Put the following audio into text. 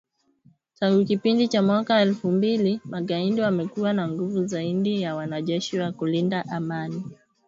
Tangu kipindi cha mwaka elfu mbili, magaidi wamekuwa na nguvu zaidi ya wanajeshi wa kulinda amani